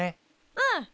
うん！